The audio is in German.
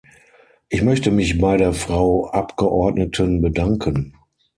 Ich möchte mich bei der Frau Abgeordneten bedanken.